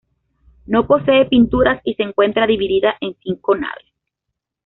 No posee pinturas y se encuentra dividida en cinco naves.